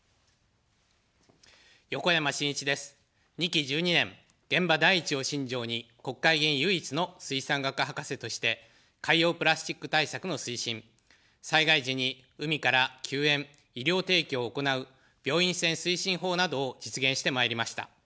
２期１２年、現場第一を信条に、国会議員唯一の水産学博士として、海洋プラスチック対策の推進、災害時に海から救援・医療提供を行う病院船推進法などを実現してまいりました。